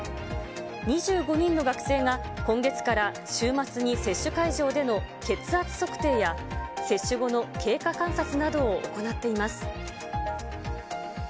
２５人の学生が、今月から週末に接種会場での血圧測定や接種後の経過観察などを行っています。